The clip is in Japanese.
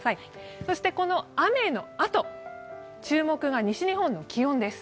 そしてこの雨のあと、注目が西日本の気温です。